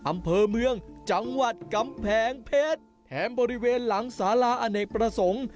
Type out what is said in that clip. อำเภอเมืองจังหวัดกำแพงเพชรแถมบริเวณหลังสาราอเนกประสงค์